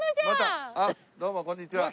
あっどうもこんにちは。